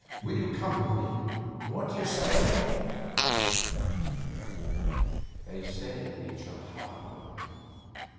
Will you come with me? What d'you say. Eh?' They stared at each other hard a moment.